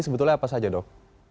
sebetulnya apa saja dok